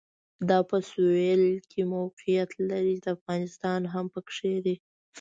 دا په سوېل کې موقعیت لري چې افغانستان هم پکې دی.